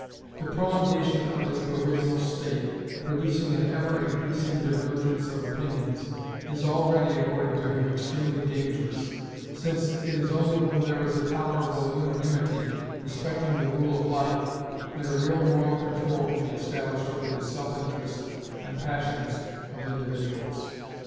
The prolongation of this provisional state, producing an ever increasing divergence of opinions, is already, according to him, extremely dangerous, since it is only when there is a tolerable unanimity respecting the rule of life, that a real moral control can be established over the self interest and passions of individuals.